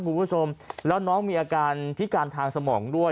คุณผู้ชมแล้วน้องมีอาการพิการทางสมองด้วย